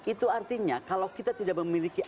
itu artinya kalau kita tidak memiliki